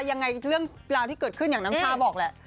ยังไงเรื่องราวที่เกิดขึ้นอย่างน้ำชาบอกแหละ